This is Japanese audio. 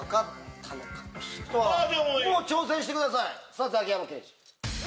さぁザキヤマ刑事。